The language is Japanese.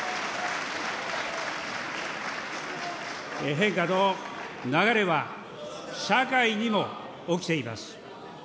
変化の流れは社会にも起きています。